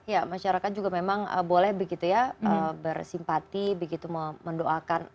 ya masyarakat juga memang boleh begitu ya bersimpati begitu mendoakan